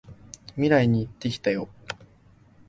未来に行ってきたよ！